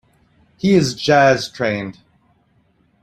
He is jazz trained.